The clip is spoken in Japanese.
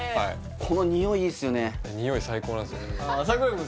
このにおいいいですよね